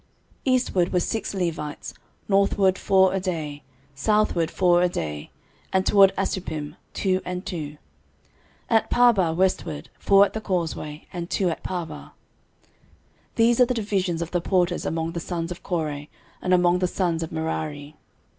13:026:017 Eastward were six Levites, northward four a day, southward four a day, and toward Asuppim two and two. 13:026:018 At Parbar westward, four at the causeway, and two at Parbar. 13:026:019 These are the divisions of the porters among the sons of Kore, and among the sons of Merari.